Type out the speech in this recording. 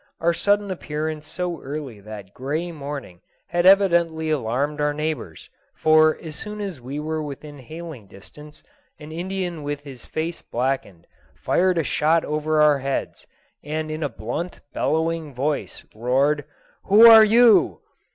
Our sudden appearance so early that gray morning had evidently alarmed our neighbors, for as soon as we were within hailing distance an Indian with his face blackened fired a shot over our heads, and in a blunt, bellowing voice roared, "Who are you?"